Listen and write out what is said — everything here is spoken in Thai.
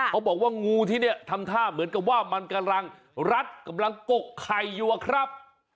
เขาบอกว่างูที่เนี่ยทำท่าเหมือนกับว่ามันกำลังรัดกำลังกกไข่อยู่อะครับ